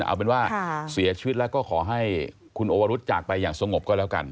เอาเป็นว่าเสียชีวิตแล้วก็ขอให้คุณโอวรุษจากไปอย่างสงบก็แล้วกัน